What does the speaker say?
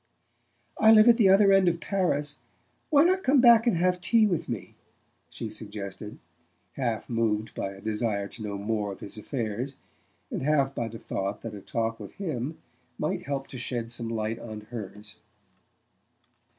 "I live at the other end of Paris. Why not come back and have tea with me?" she suggested, half moved by a desire to know more of his affairs, and half by the thought that a talk with him might help to shed some light on hers.